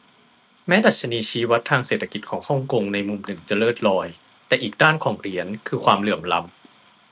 แม้ดัชนีชี้วัดทางเศรษฐกิจของฮ่องกงในมุมหนึ่งจะเลิศลอย แต่อีกด้านของเหรียญคือความเหลื่อมล้ำ